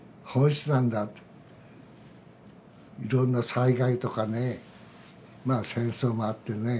いろんな災害とかねまあ戦争もあってね